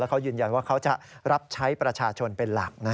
เขายืนยันว่าเขาจะรับใช้ประชาชนเป็นหลักนะ